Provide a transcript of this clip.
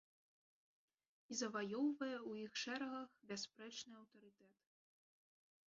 І заваёўвае ў іх шэрагах бясспрэчны аўтарытэт.